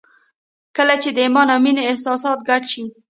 کله چې د ایمان او مینې احساسات ګډ شي